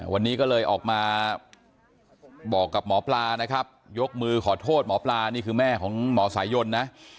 วันนี้ก็เลยออกมาบอกกับหมอปลานะครับยกมือขอโทษหมอปลานี่คือแม่ของหมอสายยนนะ